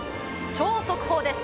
超速報です。